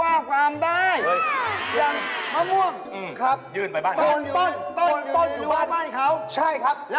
อย่าบอกว่าที่เก่งกว่าคุณเดือนดาวนี่คุณดึงดาวใช่ไหมใช่ไหมฮะ